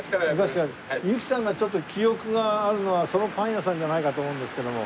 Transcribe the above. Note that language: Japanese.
由紀さんがちょっと記憶があるのはそのパン屋さんじゃないかと思うんですけども。